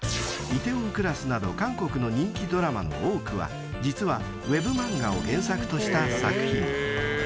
［『梨泰院クラス』など韓国の人気ドラマの多くは実はウェブ漫画を原作とした作品］